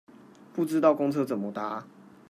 不知道公車怎麼搭